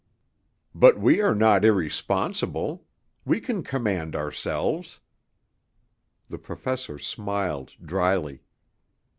"But we are not irresponsible. We can command ourselves." The Professor smiled dryly.